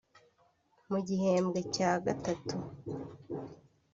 Mu gihembwe cya gatatu